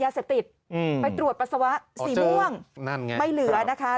ยาเสพติดไปตรวจปัสสาวะสีม่วงไม่เหลือนะคะ